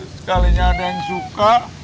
sekalinya ada yang suka